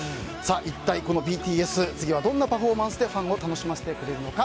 一体、ＢＴＳ次はどんなパフォーマンスでファンを楽しませてくれるのか